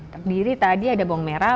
terdiri tadi ada bawang merah